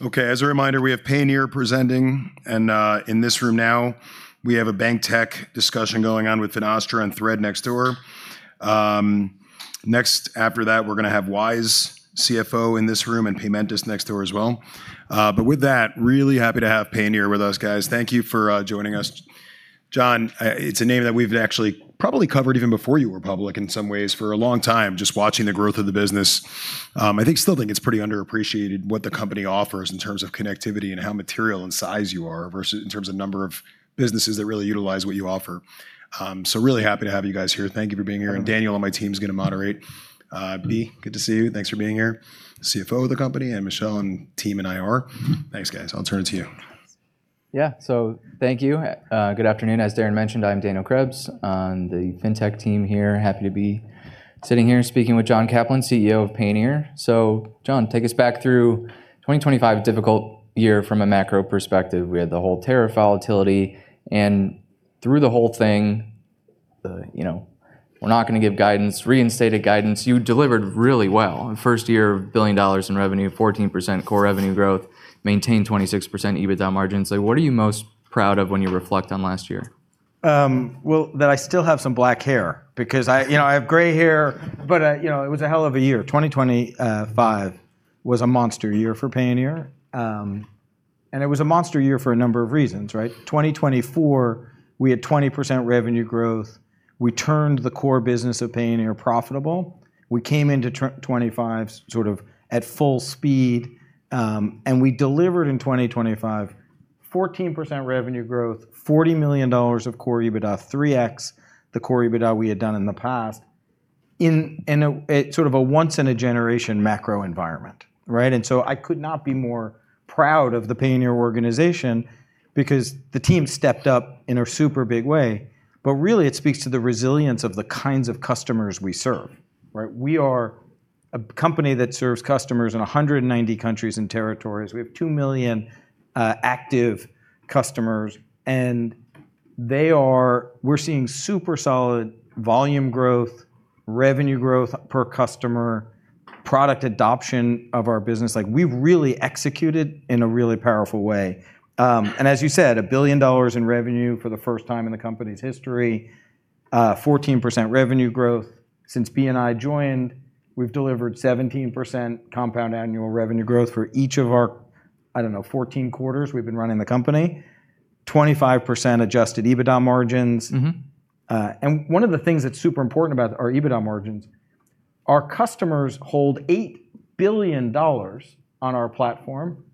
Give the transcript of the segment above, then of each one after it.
Okay. As a reminder, we have Payoneer presenting, and in this room now we have a bank tech discussion going on with Finastra and Thread next door. Next after that, we're gonna have Wise CFO in this room and Paymentus next door as well. With that, really happy to have Payoneer with us, guys. Thank you for joining us. John, it's a name that we've actually probably covered even before you were public in some ways for a long time, just watching the growth of the business. I still think it's pretty underappreciated what the company offers in terms of connectivity and how material in size you are versus in terms of number of businesses that really utilize what you offer. Really happy to have you guys here. Thank you for being here. Welcome. Daniel on my team's gonna moderate. Beatrice, good to see you. Thanks for being here. CFO of the company, and Michelle and team in IR. Thanks, guys. I'll turn it to you. Yeah. Thank you. Good afternoon. As Darren mentioned, I'm Daniel Krebs. On the fintech team here, happy to be sitting here speaking with John Caplan, CEO of Payoneer. John, take us back through 2025, a difficult year from a macro perspective. We had the whole tariff volatility, and through the whole thing, we're not gonna give guidance, reinstated guidance. You delivered really well. First year, $1 billion in revenue, 14% core revenue growth, maintained 26% EBITDA margin. What are you most proud of when you reflect on last year? Well, that I still have some black hair because I, you know, I have gray hair, but, you know, it was a hell of a year. 2025 was a monster year for Payoneer, and it was a monster year for a number of reasons, right? 2024, we had 20% revenue growth. We turned the core business of Payoneer profitable. We came into 2025 sort of at full speed, and we delivered in 2025 14% revenue growth, $40 million of core EBITDA, 3x the core EBITDA we had done in the past in a sort of a once in a generation macro environment, right? I could not be more proud of the Payoneer organization because the team stepped up in a super big way. Really it speaks to the resilience of the kinds of customers we serve, right? We are a company that serves customers in 190 countries and territories. We have two million active customers, and we're seeing super solid volume growth, revenue growth per customer, product adoption of our business. Like, we've really executed in a really powerful way. As you said, $1 billion in revenue for the first time in the company's history, 14% revenue growth. Since Beatrice and I joined, we've delivered 17% compound annual revenue growth for each of our, I don't know, 14 quarters we've been running the company. 25% Adjusted EBITDA margins. Mm-hmm. One of the things that's super important about our EBITDA margins, our customers hold $8 billion on our platform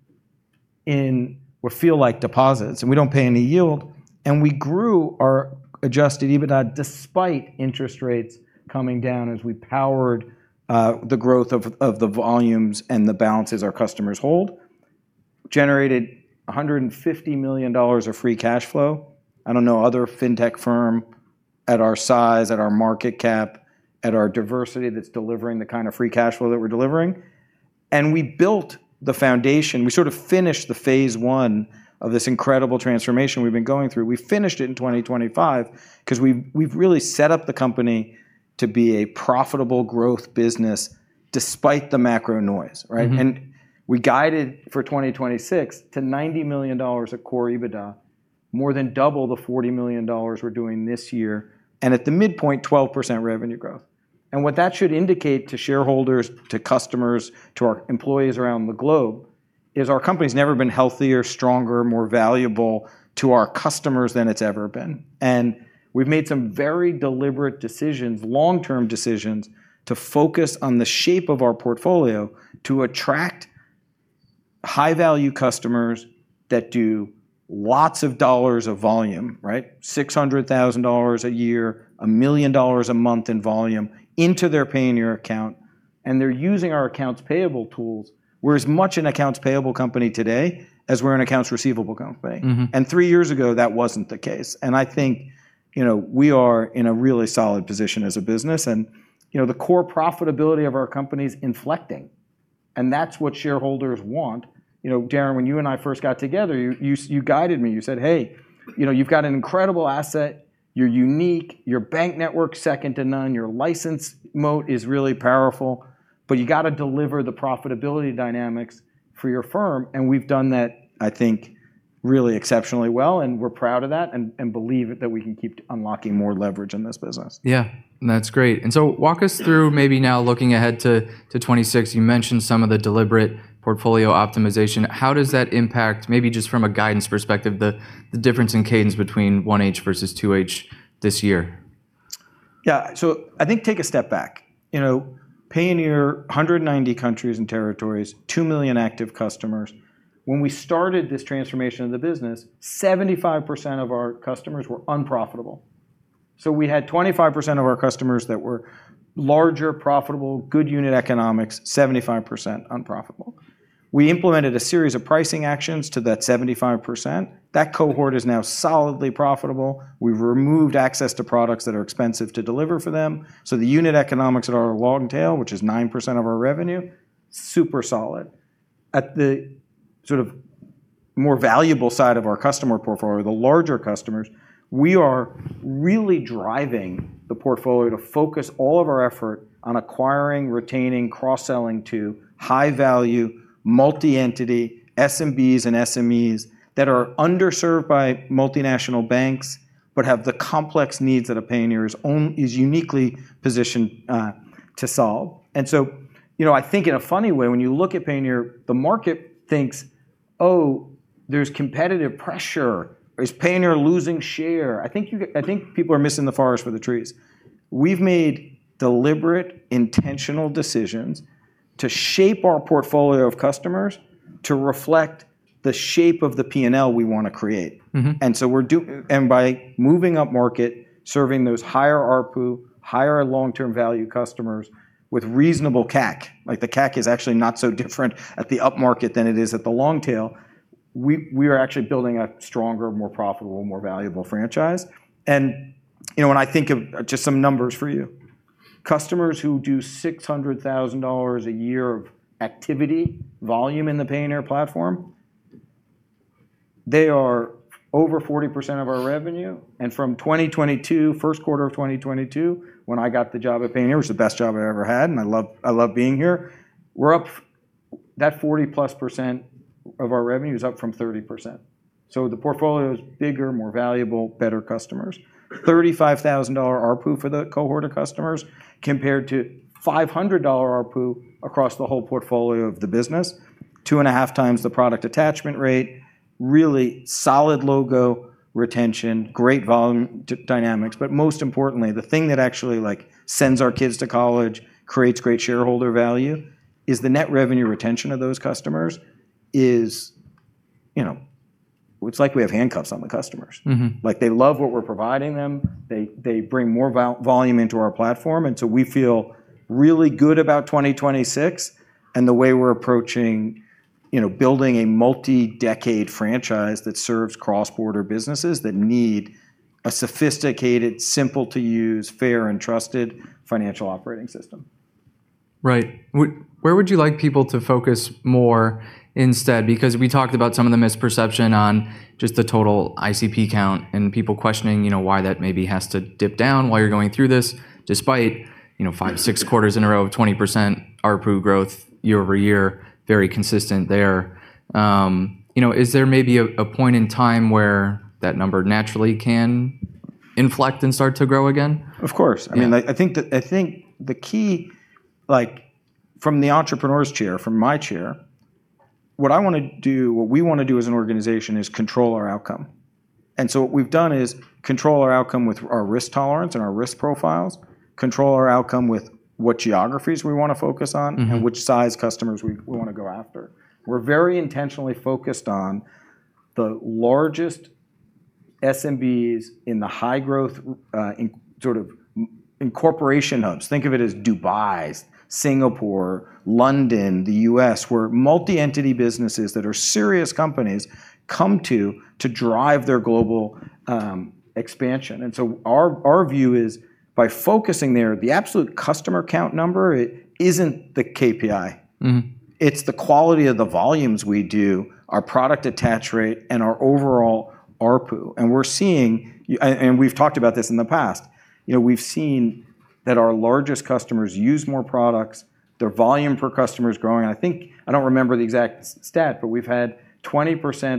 in what feel like deposits, and we don't pay any yield, and we grew our Adjusted EBITDA despite interest rates coming down as we powered the growth of the volumes and the balances our customers hold. Generated $150 million of free cash flow. I don't know any other fintech firm at our size, at our market cap, at our diversity that's delivering the kind of free cash flow that we're delivering. We built the foundation. We sort of finished the Phase one of this incredible transformation we've been going through. We finished it in 2025 'cause we've really set up the company to be a profitable growth business despite the macro noise, right? Mm-hmm. We guided for 2026 to $90 million of core EBITDA, more than double the $40 million we're doing this year, and at the midpoint, 12% revenue growth. What that should indicate to shareholders, to customers, to our employees around the globe is our company's never been healthier, stronger, more valuable to our customers than it's ever been. We've made some very deliberate decisions, long-term decisions, to focus on the shape of our portfolio to attract high-value customers that do lots of dollars of volume, right? $600,000 a year, $1 million a month in volume into their Payoneer account, and they're using our accounts payable tools. We're as much an accounts payable company today as we're an accounts receivable company. Mm-hmm. Three years ago, that wasn't the case. I think, you know, we are in a really solid position as a business and, you know, the core profitability of our company is inflecting, and that's what shareholders want. You know, Darren, when you and I first got together, you guided me. You said, "Hey, you know, you've got an incredible asset. You're unique. Your bank network's second to none. Your license moat is really powerful, but you gotta deliver the profitability dynamics for your firm." We've done that, I think, really exceptionally well, and we're proud of that and believe that we can keep unlocking more leverage in this business. Yeah. That's great. Walk us through maybe now looking ahead to 2026. You mentioned some of the deliberate portfolio optimization. How does that impact, maybe just from a guidance perspective, the difference in cadence between 1H versus 2H this year? Yeah. I think take a step back. You know, Payoneer, 190 countries and territories, two million active customers. When we started this transformation of the business, 75% of our customers were unprofitable. We had 25% of our customers that were larger, profitable, good unit economics, 75% unprofitable. We implemented a series of pricing actions to that 75%. That cohort is now solidly profitable. We've removed access to products that are expensive to deliver for them. The unit economics at our long tail, which is 9% of our revenue, super solid. At the sort of more valuable side of our customer portfolio, the larger customers, we are really driving the portfolio to focus all of our effort on acquiring, retaining, cross-selling to high-value, multi-entity SMBs and SMEs that are underserved by multinational banks, but have the complex needs that a Payoneer is uniquely positioned to solve. You know, I think in a funny way, when you look at Payoneer, the market thinks, "Oh, there's competitive pressure. Is Payoneer losing share?" I think people are missing the forest for the trees. We've made deliberate, intentional decisions to shape our portfolio of customers to reflect the shape of the P&L we wanna create. Mm-hmm. By moving upmarket, serving those higher ARPU, higher long-term value customers with reasonable CAC, like the CAC is actually not so different at the upmarket than it is at the long tail, we are actually building a stronger, more profitable, more valuable franchise. You know, when I think of just some numbers for you. Customers who do $600,000 a year of activity volume in the Payoneer platform, they are over 40% of our revenue. From 2022, first quarter of 2022, when I got the job at Payoneer, it was the best job I'd ever had, and I love being here. That 40%+ of our revenue is up from 30%. The portfolio is bigger, more valuable, better customers. $35,000 ARPU for the cohort of customers compared to $500 ARPU across the whole portfolio of the business, 2.5 times the product attachment rate, really solid logo retention, great volume dynamics. Most importantly, the thing that actually, like, sends our kids to college, creates great shareholder value, is the net revenue retention of those customers, you know. It's like we have handcuffs on the customers. Mm-hmm. Like, they love what we're providing them. They bring more volume into our platform, and so we feel really good about 2026 and the way we're approaching, you know, building a multi-decade franchise that serves cross-border businesses that need a sophisticated, simple to use, fair, and trusted financial operating system. Right. Where would you like people to focus more instead? Because we talked about some of the misperception on just the total ICP count and people questioning, you know, why that maybe has to dip down while you're going through this, despite, you know, five, six quarters in a row of 20% ARPU growth year-over-year, very consistent there. You know, is there maybe a point in time where that number naturally can inflect and start to grow again? Of course. Yeah. I mean, I think the key, like, from the entrepreneur's chair, from my chair, what I wanna do, what we wanna do as an organization is control our outcome. What we've done is control our outcome with our risk tolerance and our risk profiles, control our outcome with what geographies we wanna focus on. Mm-hmm which size customers we wanna go after. We're very intentionally focused on the largest SMBs in the high-growth in sort of incorporation hubs. Think of it as Dubai, Singapore, London, the U.S., where multi-entity businesses that are serious companies come to drive their global expansion. Our view is by focusing there, the absolute customer count number isn't the KPI. Mm-hmm. It's the quality of the volumes we do, our product attach rate, and our overall ARPU. We're seeing and we've talked about this in the past. You know, we've seen that our largest customers use more products, their volume per customer is growing. I think, I don't remember the exact stat, but we've had 20%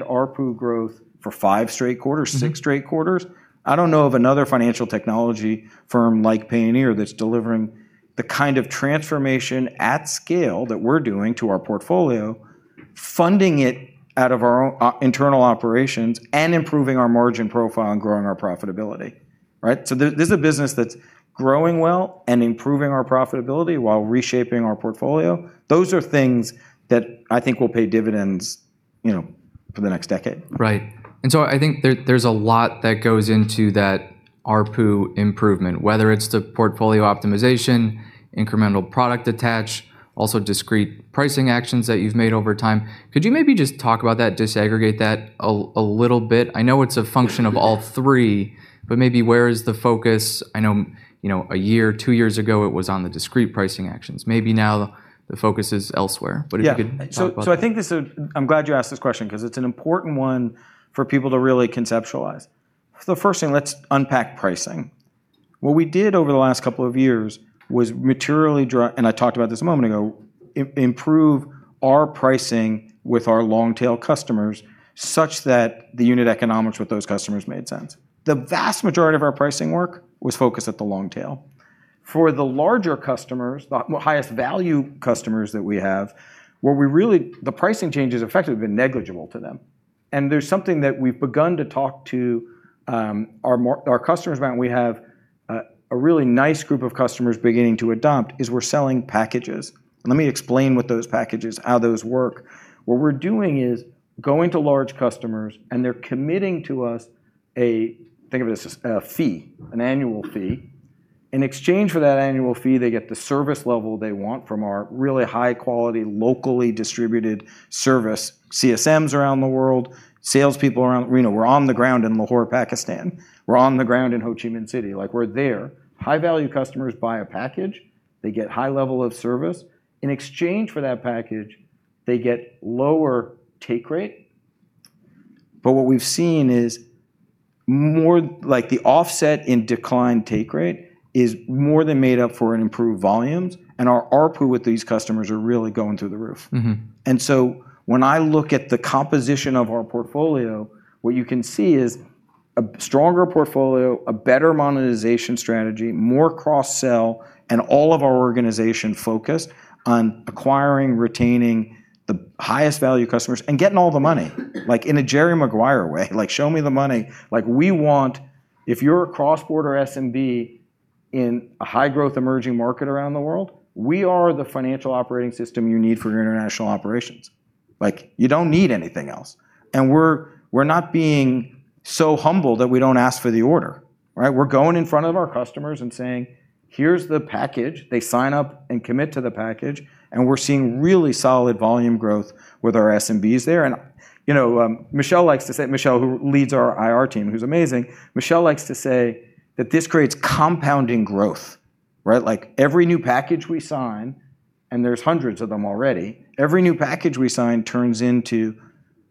ARPU growth for five straight quarters. Mm-hmm Six straight quarters. I don't know of another financial technology firm like Payoneer that's delivering the kind of transformation at scale that we're doing to our portfolio, funding it out of our own internal operations, and improving our margin profile and growing our profitability, right? This is a business that's growing well and improving our profitability while reshaping our portfolio. Those are things that I think will pay dividends, you know, for the next decade. Right. I think there's a lot that goes into that ARPU improvement, whether it's the portfolio optimization, incremental product attach, also discrete pricing actions that you've made over time. Could you maybe just talk about that, disaggregate that a little bit? I know it's a function of all three, but maybe where is the focus? I know, you know, a year, two years ago, it was on the discrete pricing actions. Maybe now the focus is elsewhere. Yeah. If you could talk about that. I think this is. I'm glad you asked this question 'cause it's an important one for people to really conceptualize. The first thing, let's unpack pricing. What we did over the last couple of years was materially and I talked about this a moment ago, improve our pricing with our long-tail customers such that the unit economics with those customers made sense. The vast majority of our pricing work was focused at the long tail. For the larger customers, the highest value customers that we have, the pricing changes effectively have been negligible to them. There's something that we've begun to talk to our customers about, and we have a really nice group of customers beginning to adopt, is we're selling packages. Let me explain what those packages, how those work. What we're doing is going to large customers, and they're committing to us, think of it as an annual fee. In exchange for that annual fee, they get the service level they want from our really high quality, locally distributed service, CSMs around the world, salespeople around the world. You know, we're on the ground in Lahore, Pakistan. We're on the ground in Ho Chi Minh City. Like, we're there. High-value customers buy a package. They get high level of service. In exchange for that package, they get lower take rate. What we've seen is more like the offset in decline take rate is more than made up for in improved volumes, and our ARPU with these customers are really going through the roof. Mm-hmm. When I look at the composition of our portfolio, what you can see is a stronger portfolio, a better monetization strategy, more cross-sell, and all of our organization focused on acquiring, retaining the highest value customers and getting all the money, like in a Jerry Maguire way. Like, show me the money. Like, we want. If you're a cross-border SMB in a high-growth emerging market around the world, we are the financial operating system you need for your international operations. Like, you don't need anything else. We're not being so humble that we don't ask for the order, right? We're going in front of our customers and saying, "Here's the package." They sign up and commit to the package, and we're seeing really solid volume growth with our SMBs there. You know, Michelle likes to say. Michelle, who leads our IR team, who's amazing. Michelle likes to say that this creates compounding growth, right? Like, every new package we sign, and there's hundreds of them already, every new package we sign turns into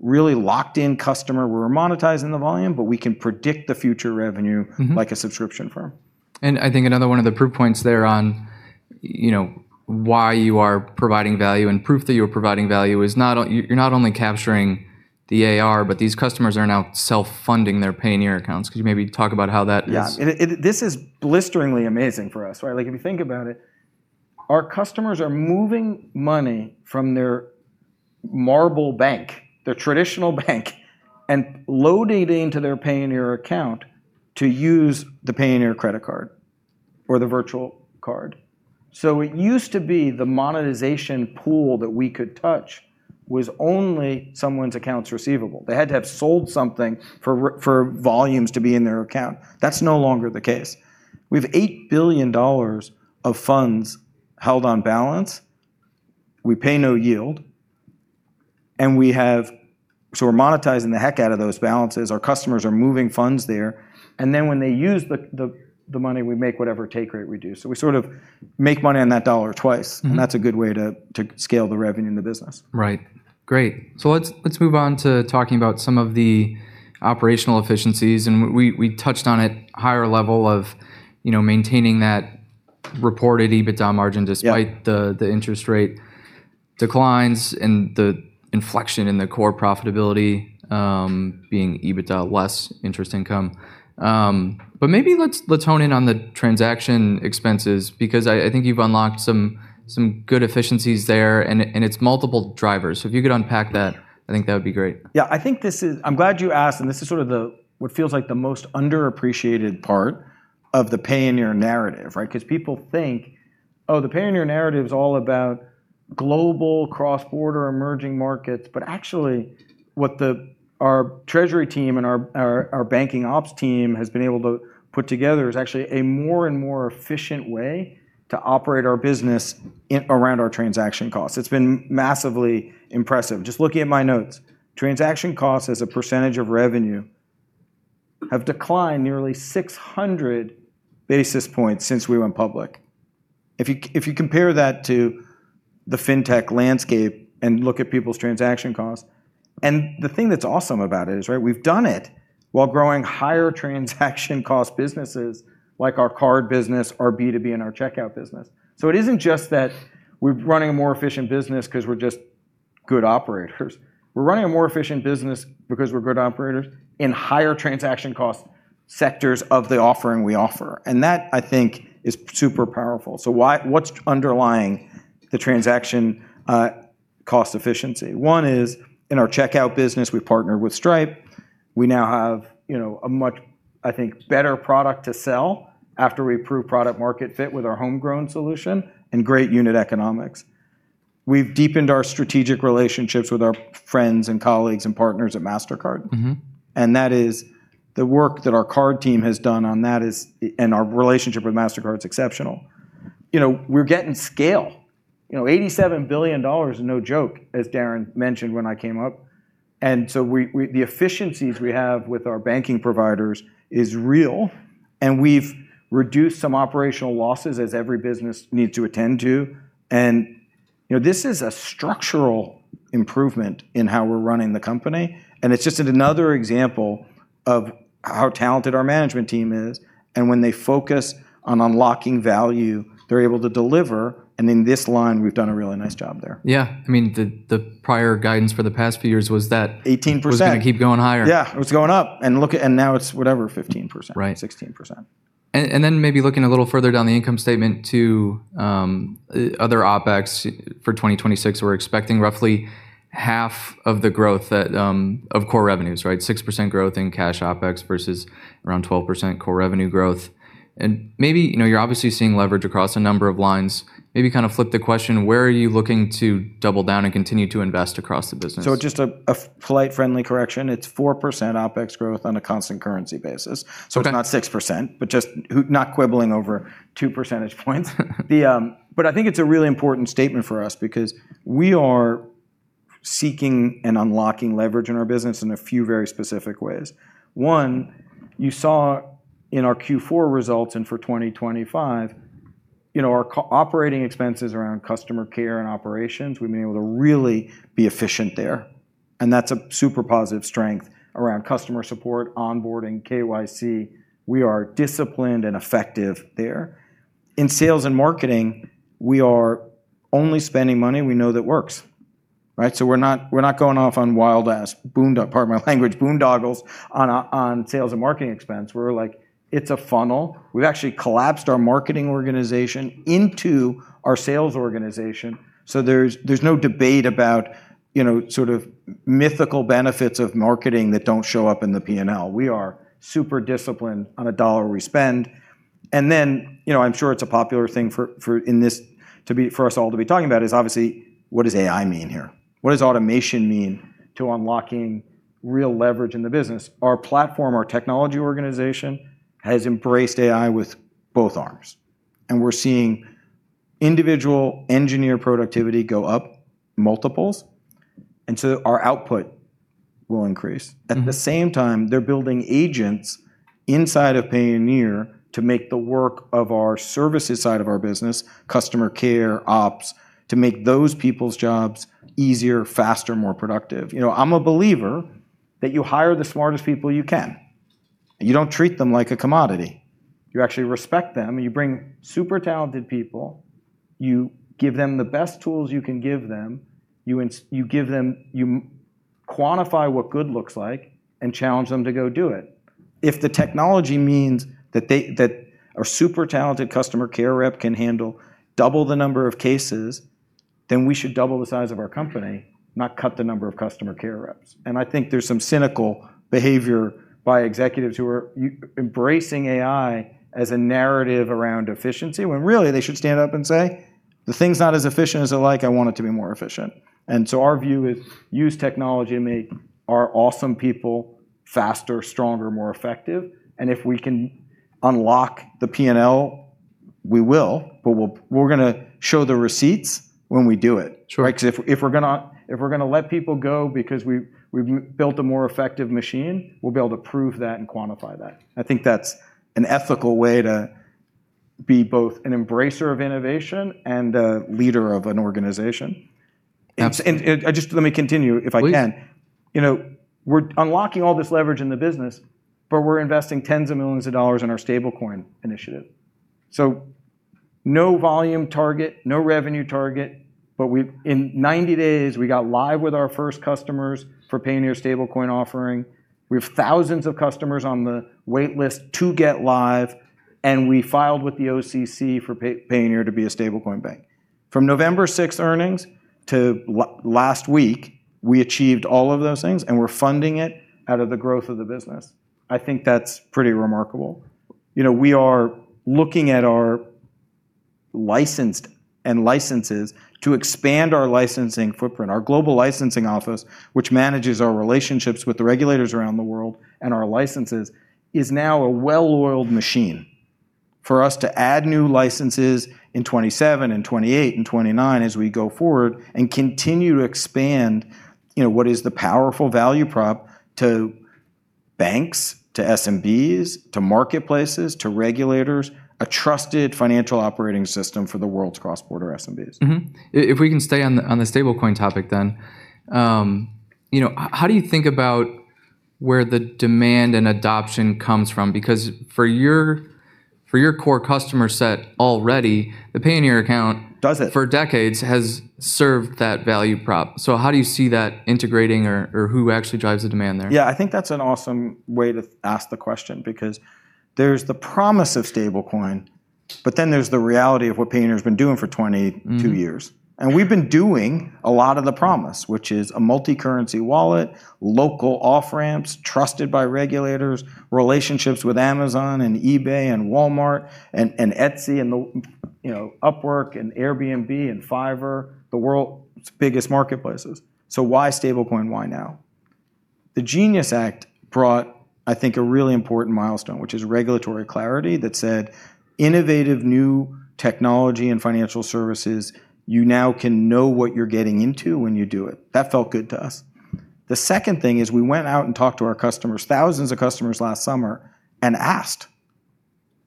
really locked-in customer. We're monetizing the volume, but we can predict the future revenue. Mm-hmm. Like a subscription firm. I think another one of the proof points there on, you know, why you are providing value and proof that you are providing value is you're not only capturing the AR, but these customers are now self-funding their Payoneer accounts. Could you maybe talk about how that is? This is blisteringly amazing for us, right? Like, if you think about it, our customers are moving money from their traditional bank, their traditional bank, and loading it into their Payoneer account to use the Payoneer credit card or the virtual card. It used to be the monetization pool that we could touch was only someone's accounts receivable. They had to have sold something for volumes to be in their account. That's no longer the case. We have $8 billion of funds held on balance. We pay no yield, and we're monetizing the heck out of those balances. Our customers are moving funds there. Then when they use the money, we make whatever take rate we do. We sort of make money on that dollar twice. Mm-hmm. That's a good way to scale the revenue in the business. Right. Great. Let's move on to talking about some of the operational efficiencies. We touched on it higher level of, you know, maintaining that reported EBITDA margin despite. Yeah. The interest rate declines and the inflection in the core profitability, being EBITDA less interest income. Maybe let's hone in on the transaction expenses because I think you've unlocked some good efficiencies there and it's multiple drivers. If you could unpack that, I think that would be great. Yeah. I think this is. I'm glad you asked, and this is sort of what feels like the most underappreciated part of the Payoneer narrative, right? 'Cause people think, oh, the Payoneer narrative is all about global cross-border emerging markets. Actually what our treasury team and our banking ops team has been able to put together is actually a more and more efficient way to operate our business in and around our transaction costs. It's been massively impressive. Just looking at my notes, transaction costs as a percentage of revenue have declined nearly 600 basis points since we went public. If you compare that to the fintech landscape and look at people's transaction costs, and the thing that's awesome about it is, right, we've done it while growing higher transaction cost businesses like our card business, our B2B, and our checkout business. It isn't just that we're running a more efficient business 'cause we're just good operators. We're running a more efficient business because we're good operators in higher transaction cost sectors of the offering we offer. That, I think, is super powerful. Why, what's underlying the transaction cost efficiency? One is in our checkout business, we partner with Stripe. We now have, you know, a much, I think, better product to sell after we prove product market fit with our homegrown solution and great unit economics. We've deepened our strategic relationships with our friends and colleagues and partners at Mastercard. Mm-hmm. That is the work that our card team has done on that is, and our relationship with Mastercard is exceptional. You know, we're getting scale. You know, $87 billion is no joke, as Darren mentioned when I came up. We the efficiencies we have with our banking providers is real, and we've reduced some operational losses as every business needs to attend to. You know, this is a structural improvement in how we're running the company, and it's just another example of how talented our management team is, and when they focus on unlocking value, they're able to deliver. In this line, we've done a really nice job there. Yeah. I mean, the prior guidance for the past few years was that. 18%. Was gonna keep going higher. Yeah. It was going up. Now it's whatever, 15%. Right. 16%. Then maybe looking a little further down the income statement to other OpEx for 2026, we're expecting roughly half of the growth that of core revenues, right? 6% growth in cash OpEx versus around 12% core revenue growth. Maybe, you know, you're obviously seeing leverage across a number of lines. Maybe kinda flip the question, where are you looking to double down and continue to invest across the business? Just a flight-friendly correction. It's 4% OpEx growth on a constant currency basis. Okay. It's not 6%, but just not quibbling over two percentage points. I think it's a really important statement for us because we are seeking and unlocking leverage in our business in a few very specific ways. One, you saw in our Q4 results and for 2025, you know, our operating expenses around customer care and operations, we've been able to really be efficient there, and that's a super positive strength around customer support, onboarding, KYC. We are disciplined and effective there. In sales and marketing, we are only spending money we know that works, right? We're not going off on wild ass boondoggles, pardon my language, on sales and marketing expense. We're like, it's a funnel. We've actually collapsed our marketing organization into our sales organization, so there's no debate about, you know, sort of mythical benefits of marketing that don't show up in the P&L. We are super disciplined on a dollar we spend. You know, I'm sure it's a popular thing for us all to be talking about is obviously what does AI mean here? What does automation mean to unlocking real leverage in the business? Our platform, our technology organization has embraced AI with both arms, and we're seeing individual engineer productivity go up multiples, and our output will increase. Mm-hmm. At the same time, they're building agents inside of Payoneer to make the work of our services side of our business, customer care, ops, to make those people's jobs easier, faster, more productive. You know, I'm a believer that you hire the smartest people you can, and you don't treat them like a commodity. You actually respect them, and you bring super talented people. You give them the best tools you can give them. You quantify what good looks like and challenge them to go do it. If the technology means that a super talented customer care rep can handle double the number of cases, then we should double the size of our company, not cut the number of customer care reps. I think there's some cynical behavior by executives who are embracing AI as a narrative around efficiency, when really they should stand up and say, "The thing's not as efficient as I like. I want it to be more efficient." Our view is use technology to make our awesome people faster, stronger, more effective. If we can unlock the P&L, we will. We're gonna show the receipts when we do it. Sure. Right? 'Cause if we're gonna let people go because we've built a more effective machine, we'll be able to prove that and quantify that. I think that's an ethical way to be both an embracer of innovation and a leader of an organization. Absolutely. Let me continue, if I can. Please. You know, we're unlocking all this leverage in the business, but we're investing tens of millions of dollars in our stablecoin initiative. No volume target, no revenue target, but in 90 days, we got live with our first customers for Payoneer stablecoin offering. We have thousands of customers on the wait list to get live, and we filed with the OCC for Payoneer to be a stablecoin bank. From November sixth earnings to last week, we achieved all of those things, and we're funding it out of the growth of the business. I think that's pretty remarkable. You know, we are looking at our licensed and licenses to expand our licensing footprint. Our global licensing office, which manages our relationships with the regulators around the world and our licenses, is now a well-oiled machine for us to add new licenses in 2027 and 2028 and 2029 as we go forward and continue to expand, you know, what is the powerful value prop to banks, to SMBs, to marketplaces, to regulators, a trusted financial operating system for the world's cross-border SMBs. If we can stay on the stablecoin topic then, you know, how do you think about where the demand and adoption comes from? Because for your core customer set already, the Payoneer account- Does it? for decades has served that value prop. How do you see that integrating or who actually drives the demand there? Yeah. I think that's an awesome way to ask the question because there's the promise of stablecoin, but then there's the reality of what Payoneer's been doing for 20- Mm-hmm two years. We've been doing a lot of the promise, which is a multicurrency wallet, local off-ramps, trusted by regulators, relationships with Amazon and eBay and Walmart and Etsy, and you know, Upwork and Airbnb and Fiverr, the world's biggest marketplaces. Why stablecoin? Why now? The GENIUS Act brought, I think, a really important milestone, which is regulatory clarity that said, "Innovative new technology and financial services, you now can know what you're getting into when you do it." That felt good to us. The second thing is we went out and talked to our customers, thousands of customers last summer, and asked,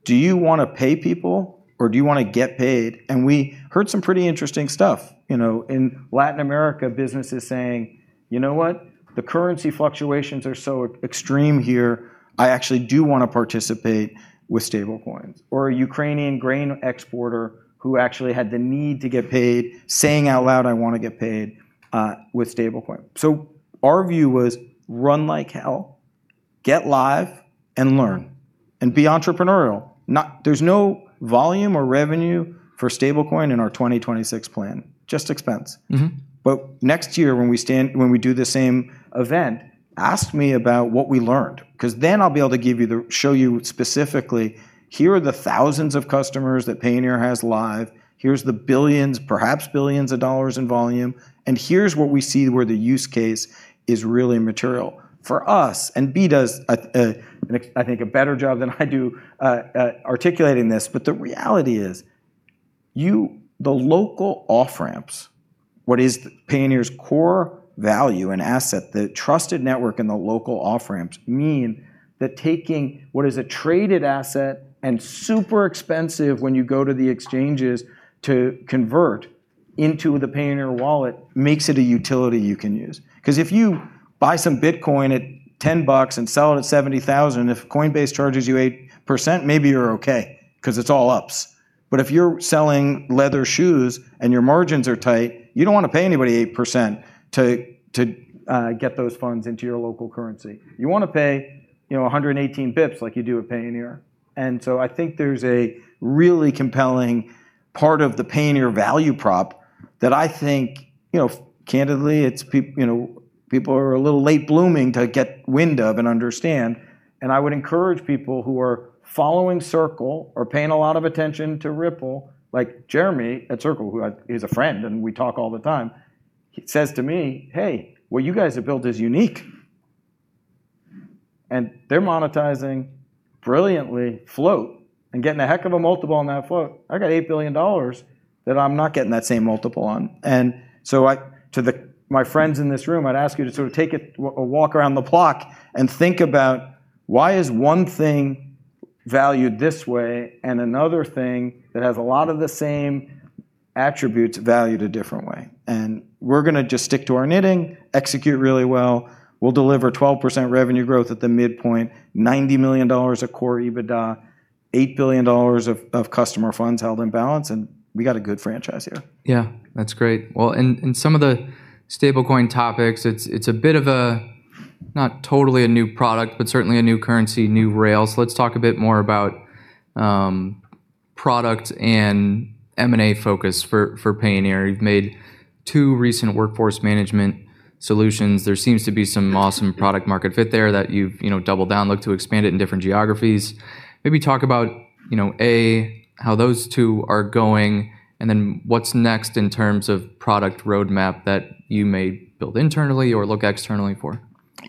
"Do you wanna pay people or do you wanna get paid?" We heard some pretty interesting stuff. You know, in Latin America, businesses saying, "You know what? The currency fluctuations are so extreme here, I actually do wanna participate with stablecoins." Or a Ukrainian grain exporter who actually had the need to get paid saying out loud, "I wanna get paid, with stablecoin." Our view was run like hell, get live, and learn and be entrepreneurial. There's no volume or revenue for stablecoin in our 2026 plan, just expense. Mm-hmm. Next year when we do the same event, ask me about what we learned, 'cause then I'll be able to show you specifically, here are the thousands of customers that Payoneer has live. Here's the $ billions, perhaps $ billions in volume, and here's what we see where the use case is really material for us. Bea does, I think, a better job than I do articulating this. The reality is the local off-ramps, what is Payoneer's core value and asset, the trusted network and the local off-ramps mean that taking what is a traded asset and super expensive when you go to the exchanges to convert into the Payoneer wallet makes it a utility you can use. 'Cause if you buy some Bitcoin at $10 and sell it at $70,000, if Coinbase charges you 8%, maybe you're okay 'cause it's all ups. If you're selling leather shoes and your margins are tight, you don't wanna pay anybody 8% to get those funds into your local currency. You wanna pay, you know, 118 basis points like you do at Payoneer. I think there's a really compelling part of the Payoneer value prop that I think, you know, candidly it's, you know, people are a little late blooming to get wind of and understand. I would encourage people who are following Circle or paying a lot of attention to Ripple, like Jeremy at Circle, who, he's a friend, and we talk all the time. He says to me, "Hey, what you guys have built is unique." They're monetizing the float brilliantly and getting a heck of a multiple on that float. I got $8 billion that I'm not getting that same multiple on. My friends in this room, I'd ask you to sort of take a walk around the block and think about why is one thing valued this way and another thing that has a lot of the same attributes valued a different way. We're gonna just stick to our knitting, execute really well. We'll deliver 12% revenue growth at the midpoint, $90 million of core EBITDA, $8 billion of customer funds held in balance, and we got a good franchise here. Yeah, that's great. Well, in some of the stablecoin topics, it's a bit of a not totally a new product, but certainly a new currency, new rails. Let's talk a bit more about product and M&A focus for Payoneer. You've made two recent workforce management solutions. There seems to be some awesome product market fit there that you've, you know, doubled down, look to expand it in different geographies. Maybe talk about, you know, A, how those two are going, and then what's next in terms of product roadmap that you may build internally or look externally for.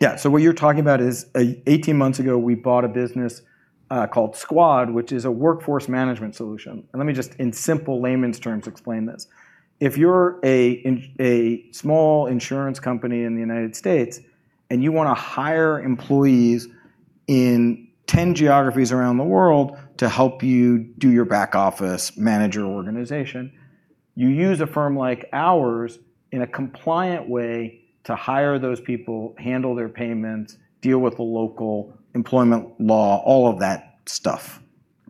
Yeah. What you're talking about is 18 months ago, we bought a business called Skuad, which is a workforce management solution. Let me just in simple layman's terms explain this. If you're a small insurance company in the United States, and you wanna hire employees in 10 geographies around the world to help you do your back office, manage your organization, you use a firm like ours in a compliant way to hire those people, handle their payments, deal with the local employment law, all of that stuff.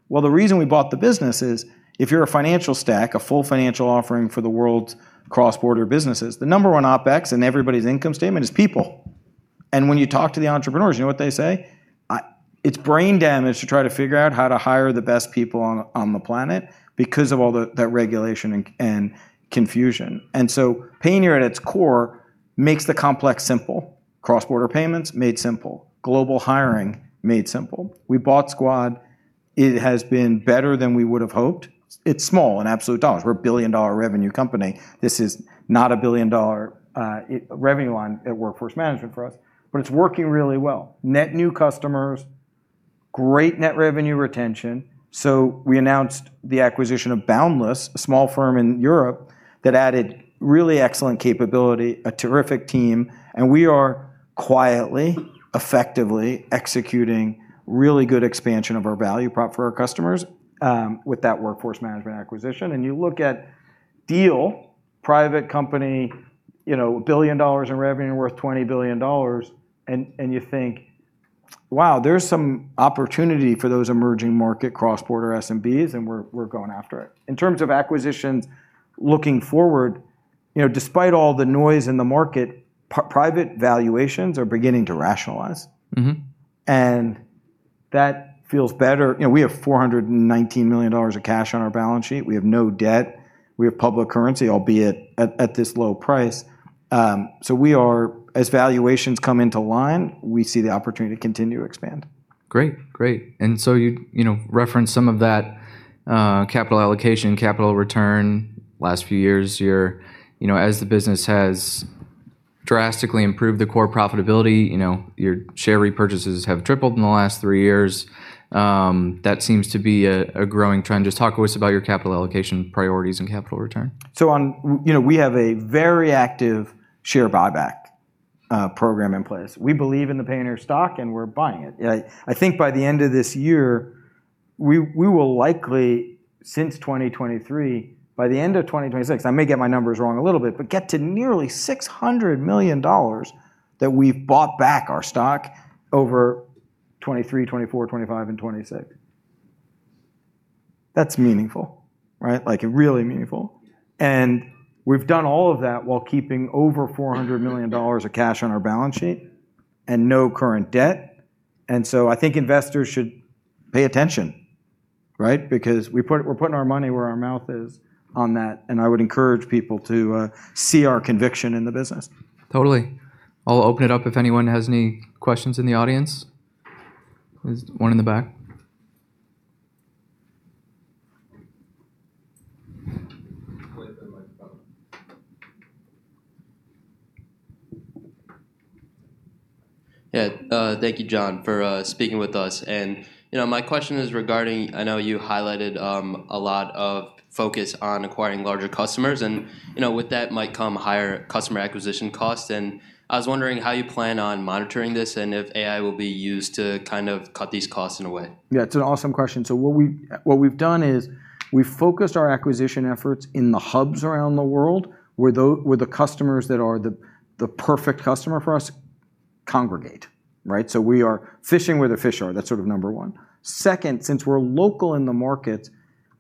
Well, the reason we bought the business is if you're a financial stack, a full financial offering for the world's cross-border businesses, the number one OpEx in everybody's income statement is people. When you talk to the entrepreneurs, you know what they say? It's brain damage to try to figure out how to hire the best people on the planet because of all that regulation and confusion. Payoneer at its core makes the complex simple. Cross-border payments made simple. Global hiring made simple. We bought Skuad. It has been better than we would've hoped. It's small in absolute dollars. We're a billion-dollar revenue company. This is not a billion-dollar revenue line at workforce management for us, but it's working really well. Net new customers, great net revenue retention. We announced the acquisition of Boundless, a small firm in Europe that added really excellent capability, a terrific team, and we are quietly, effectively executing really good expansion of our value prop for our customers with that workforce management acquisition. You look at Deel, private company, you know, $1 billion in revenue and worth $20 billion, and you think, "Wow, there's some opportunity for those emerging market cross-border SMBs," and we're going after it. In terms of acquisitions looking forward, you know, despite all the noise in the market, private valuations are beginning to rationalize. Mm-hmm. That feels better. You know, we have $419 million of cash on our balance sheet. We have no debt. We have public currency, albeit at this low price. As valuations come into line, we see the opportunity to continue to expand. Great. You know, referenced some of that, capital allocation, capital return last few years. You know, as the business has drastically improved the core profitability, you know, your share repurchases have tripled in the last three years. That seems to be a growing trend. Just talk to us about your capital allocation priorities and capital return. You know, we have a very active share buyback program in place. We believe in the Payoneer stock, and we're buying it. I think by the end of this year, we will likely, since 2023, by the end of 2026, I may get my numbers wrong a little bit, but get to nearly $600 million that we've bought back our stock over 2023, 2024, 2025, and 2026. That's meaningful, right? Like really meaningful. We've done all of that while keeping over $400 million of cash on our balance sheet and no current debt. I think investors should pay attention, right? Because we're putting our money where our mouth is on that, and I would encourage people to see our conviction in the business. Totally. I'll open it up if anyone has any questions in the audience. There's one in the back. Yeah. Thank you, John, for speaking with us. You know, my question is regarding, I know you highlighted a lot of focus on acquiring larger customers and, you know, with that might come higher customer acquisition costs. I was wondering how you plan on monitoring this, and if AI will be used to kind of cut these costs in a way? Yeah, it's an awesome question. What we've done is we've focused our acquisition efforts in the hubs around the world where the customers that are the perfect customer for us congregate, right? We are fishing where the fish are. That's sort of number one. Second, since we're local in the markets,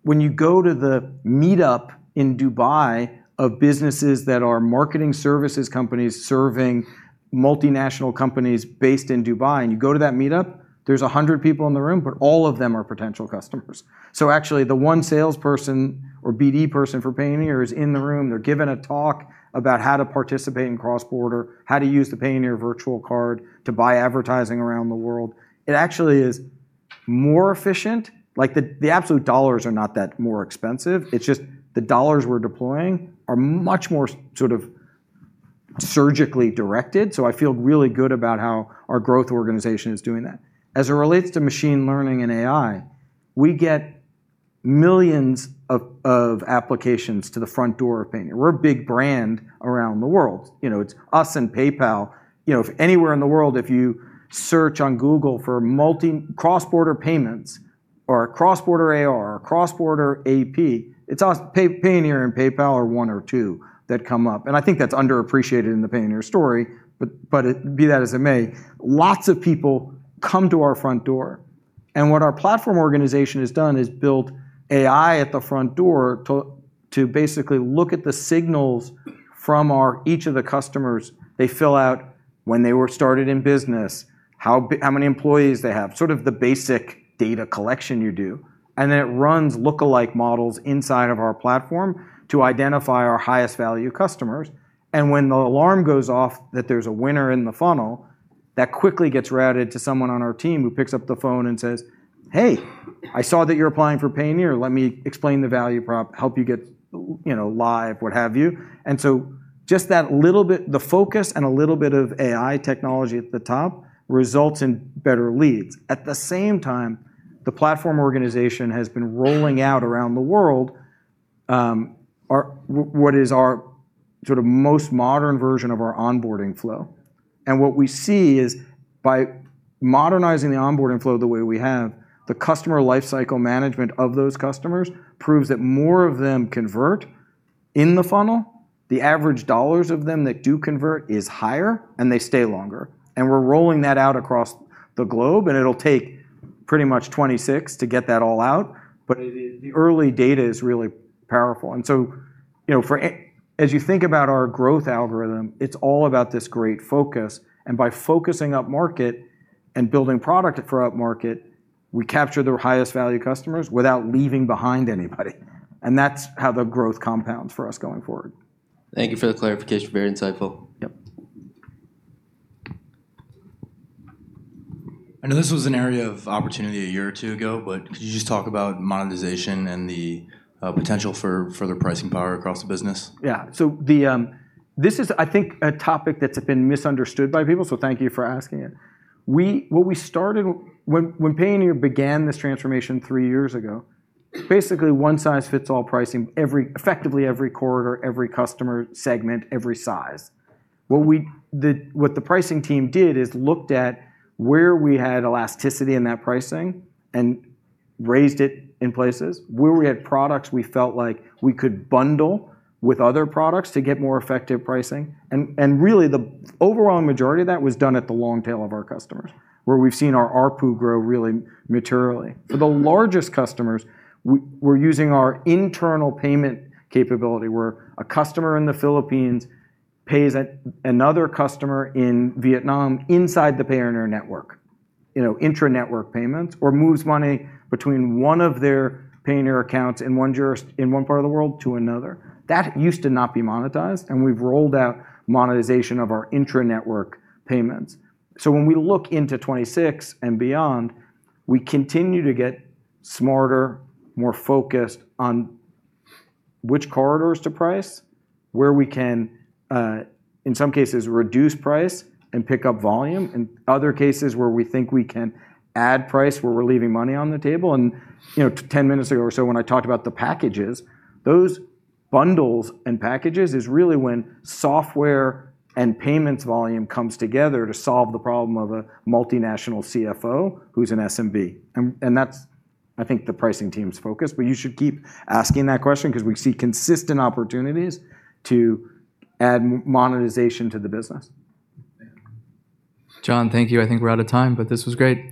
when you go to the meetup in Dubai of businesses that are marketing services companies serving multinational companies based in Dubai, and you go to that meetup, there's 100 people in the room, but all of them are potential customers. Actually the one salesperson or BD person for Payoneer is in the room. They're giving a talk about how to participate in cross-border, how to use the Payoneer virtual card to buy advertising around the world. It actually is more efficient. Like, the absolute dollars are not that more expensive. It's just the dollars we're deploying are much more sort of surgically directed, so I feel really good about how our growth organization is doing that. As it relates to machine learning and AI, we get millions of applications to the front door of Payoneer. We're a big brand around the world. You know, it's us and PayPal. You know, if anywhere in the world, if you search on Google for multi cross-border payments or cross-border AR or cross-border AP, it's us, Payoneer and PayPal are one or two that come up, and I think that's underappreciated in the Payoneer story. be that as it may, lots of people come to our front door, and what our platform organization has done is built AI at the front door to basically look at the signals from our each of the customers. They fill out when they were started in business, how many employees they have, sort of the basic data collection you do. It runs lookalike models inside of our platform to identify our highest value customers. When the alarm goes off that there's a winner in the funnel, that quickly gets routed to someone on our team who picks up the phone and says, "Hey, I saw that you're applying for Payoneer. Let me explain the value prop, help you get, you know, live," what have you. Just that little bit, the focus and a little bit of AI technology at the top results in better leads. At the same time, the platform organization has been rolling out around the world, what is our sort of most modern version of our onboarding flow. What we see is, by modernizing the onboarding flow the way we have, the customer lifecycle management of those customers proves that more of them convert in the funnel. The average dollars of them that do convert is higher, and they stay longer. We're rolling that out across the globe, and it'll take pretty much 26 to get that all out. The early data is really powerful. You know, for a. As you think about our growth algorithm, it's all about this great focus, and by focusing up market and building product for up market, we capture the highest value customers without leaving behind anybody. That's how the growth compounds for us going forward. Thank you for the clarification. Very insightful. Yep. I know this was an area of opportunity a year or two ago, but could you just talk about monetization and the potential for further pricing power across the business? This is, I think, a topic that's been misunderstood by people, so thank you for asking it. What we started when Payoneer began this transformation three years ago, basically one size fits all pricing effectively every corridor, every customer segment, every size. What the pricing team did is looked at where we had elasticity in that pricing and raised it in places where we had products we felt like we could bundle with other products to get more effective pricing and really the overall majority of that was done at the long tail of our customers, where we've seen our ARPU grow really materially. For the largest customers, we're using our internal payment capability, where a customer in the Philippines pays another customer in Vietnam inside the Payoneer network, you know, intra-network payments, or moves money between one of their Payoneer accounts in one part of the world to another. That used to not be monetized, and we've rolled out monetization of our intra-network payments. When we look into 2026 and beyond, we continue to get smarter, more focused on which corridors to price, where we can, in some cases, reduce price and pick up volume, and other cases where we think we can add price where we're leaving money on the table. You know, 10 minutes ago or so when I talked about the packages, those bundles and packages is really when software and payments volume comes together to solve the problem of a multinational CFO who's an SMB. That's, I think, the pricing team's focus. You should keep asking that question because we see consistent opportunities to add monetization to the business. Yeah. John, thank you. I think we're out of time, but this was great.